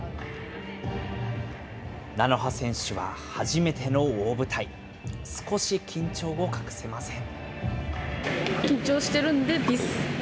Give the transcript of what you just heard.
なのは選手は初めての大舞台、少し緊張を隠せません。